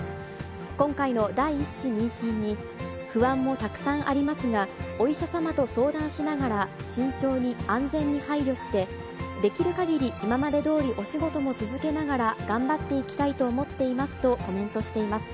今回の第１子妊娠に、不安もたくさんありますが、お医者様と相談しながら、慎重に、安全に配慮して、できるかぎり今までどおり、お仕事も続けながら頑張っていきたいと思っていますとコメントしています。